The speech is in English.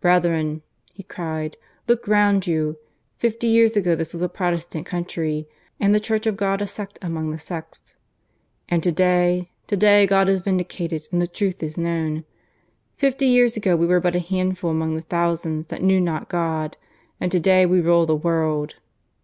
"Brethren," he cried, "Look round you! Fifty years ago this was a Protestant country, and the Church of God a sect among the sects. And to day to day God is vindicated and the truth is known. Fifty years ago we were but a handful among the thousands that knew not God, and to day we rule the world.